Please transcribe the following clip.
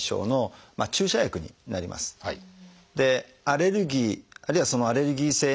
アレルギーあるいはそのアレルギー性